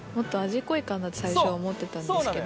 最初思ってたんですけど。